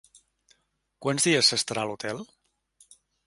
Quants dies s'estarà a l'hotel?